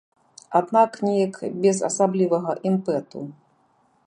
Аднак неяк без асаблівага імпэту.